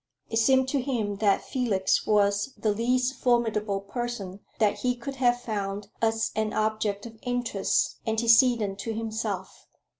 It seemed to him that Felix was the least formidable person that he could have found as an object of interest antecedent to himself.